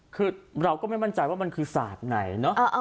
คือเราก็ไม่มั่นใจว่ามันคือศาสตร์ไหนเนอะ